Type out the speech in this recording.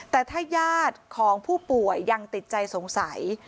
แต่ถ้าญาติของผู้ป่วยยังติดใจสงสัย